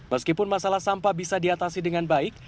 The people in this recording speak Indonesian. meskipun masalah sampah bisa diatasi dengan baik